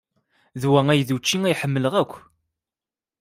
D wa ay d ucci ay ḥemmleɣ akk.